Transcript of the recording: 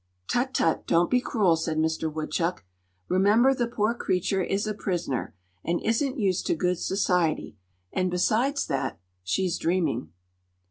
"Tut, tut! don't be cruel," said Mister Woodchuck. "Remember the poor creature is a prisoner, and isn't used to good society; and besides that, she's dreaming."